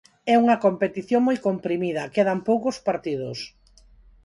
É unha competición moi comprimida, quedan poucos partidos.